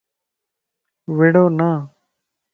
وڙونا